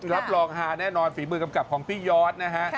รับรองฮาแน่นอนฝีมือกำกับของพี่ยอดนะฮะ